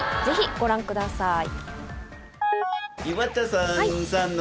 ぜひご覧ください。